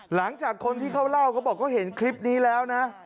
หลังจากคนที่เขาเล่าเขาบอกเขาเห็นคลิปนี้แล้วนะ